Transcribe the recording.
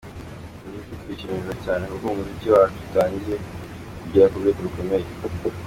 Ni ibyo kwishimirwa cyane kuko umuziki wacu utangiye kugera ku rwego rukomeye.